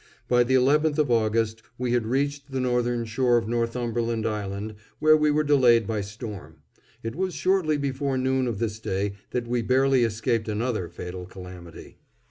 By the 11th of August we had reached the northern shore of Northumberland Island, where we were delayed by storm. It was shortly before noon of this day that we barely escaped another fatal calamity.